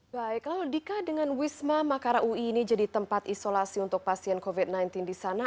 baik lalu dika dengan wisma makara ui ini jadi tempat isolasi untuk pasien covid sembilan belas di sana